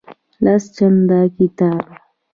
لس جلده کتاب